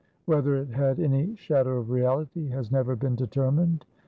Whether it had any shadow of reality has never been determined.